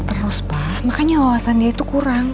terus pak makanya wawasan dia itu kurang